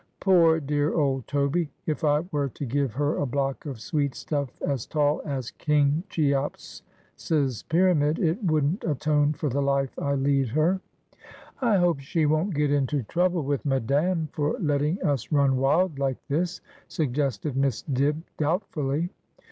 ' Poor dear old Toby ! if I were to give her a block of sweetstufE as tall as King Cheops's pyramid, it wouldn't atone for the life I lead her. ' I hope she won't get into trouble with Madame for letting us run wild like this,' suggested Miss Dibb doubtfully.